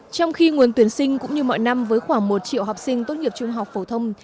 trong khi nguồn tuyển sinh cũng như mọi năm với khoảng một triệu học sinh tốt nghiệp trung học phổ thông